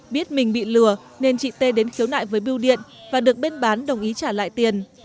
biết mình bị lừa nên chị tê đến khiếu nại với biêu điện và được bên bán đồng ý trả lại tiền